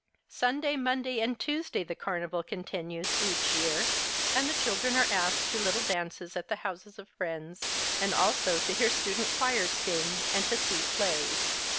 Sunday, Monday, and Tuesday the carnival continues, each year, and the children are asked to little dances at the houses of friends, and also to hear student choirs sing and to see plays.